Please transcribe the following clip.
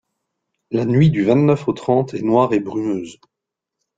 La nuit du vingt-neuf au trente est noire et brumeuse.